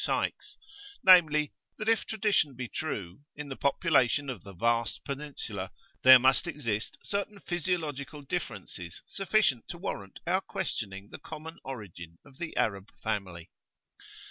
Sykes, namely, that if tradition be true, in the population of the vast Peninsula there must exist certain physiological differences sufficient to warrant our questioning the common origin of the Arab family.